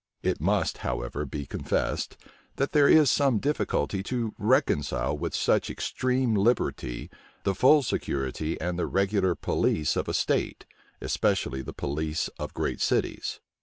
It must, however, be confessed, that there is some difficulty to reconcile with such extreme liberty the full security and the regular police of a state, especially the police of great cities.